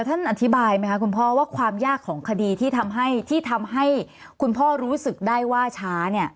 ท่านอธิบายไหมคะคุณพ่อว่าความยากของคดีที่ทำให้ที่ทำให้คุณพ่อรู้สึกได้ว่าช้าเนี่ย